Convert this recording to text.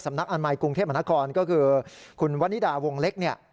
สำนักอนามัยกรุงเทพมนาคมก็คือคุณวันนิดาวงเล็ก